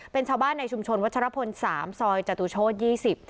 เป็นชาวบ้านในชุมชนวัชฌพล๓ซอยจตุโชศ๒๐